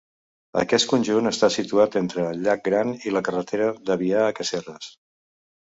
Aquest conjunt està situat entre el llac gran i la carretera d'Avià a Casserres.